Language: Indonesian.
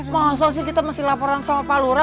maksus sih kita masih laporan sama pak lura